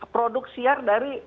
produk siar dari